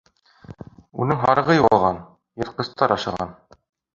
Уның һарығы юғалған, йыртҡыстар ашаған.